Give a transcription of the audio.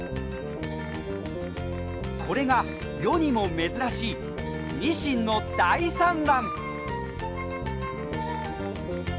これが世にも珍しいニシンの大産卵！